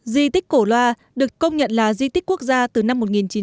di tích cổ loa được công nhận là di tích quốc gia từ năm một nghìn chín trăm chín mươi